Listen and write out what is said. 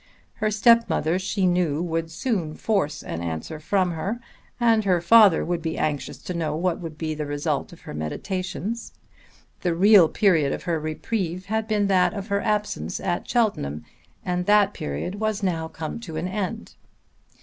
Her stepmother she knew would soon force her answer from her, and her father would be anxious to know what had been the result of her meditations. The real period of her reprieve had been that of her absence at Cheltenham, and that period was now come to an end.